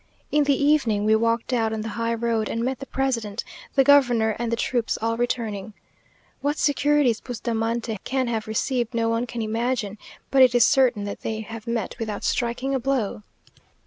In the evening we walked out on the high road, and met the president, the governor, and the troops all returning. What securities Bustamante can have received, no one can imagine, but it is certain that they have met without striking a blow.